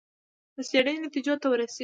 د څېړنې نتیجو ته ورسېږي.